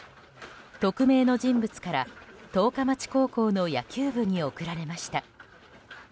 匿名の人物から十日町高校の野球部に贈られました。